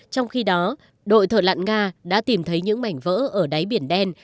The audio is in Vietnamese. trong khi đó đội thợ lặn nga đã tìm thấy những mảnh vỡ ở đáy biển đen